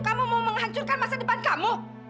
kamu mau menghancurkan masa depan kamu